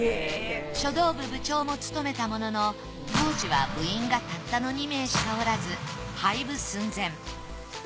書道部部長も務めたものの当時は部員がたったの２名しかおらず廃部寸前。